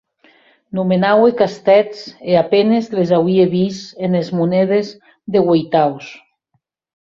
Nomenaue castèths e a penes les auie vist enes monedes de ueitaus.